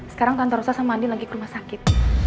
sekarang tante rosa sama andin lagi ke rumah sakit